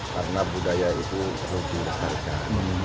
karena budaya itu perlu dilestarikan